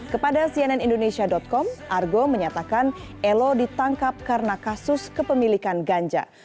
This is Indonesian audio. kepada cnn indonesia com argo menyatakan elo ditangkap karena kasus kepemilikan ganja